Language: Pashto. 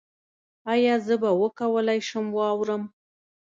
ایا زه به وکولی شم واورم؟